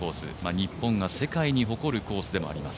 日本が世界に誇るコースでもあります。